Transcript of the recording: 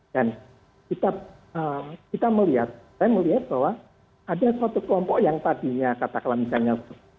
dan kita melihat saya melihat bahwa ada suatu kelompok yang tadinya kata kelah misalnya